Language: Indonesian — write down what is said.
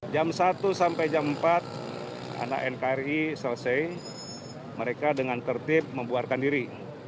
jam satu sampai jam empat anak nkri selesai mereka dengan tertib membuarkan diri